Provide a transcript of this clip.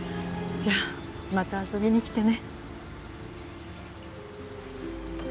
じゃあまた遊びに来てね。